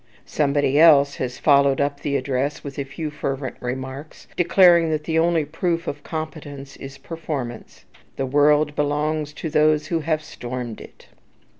Somebody else has followed up the address with a few fervent remarks, declaring that the only proof of competence is performance. "The world belongs to those who have stormed it."